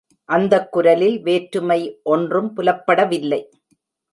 அந்தக் குரலில் வேற்றுமை ஒன்றும் புலப்படவில்லை.